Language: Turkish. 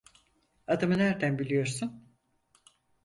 Adımı nerden biliyorsun?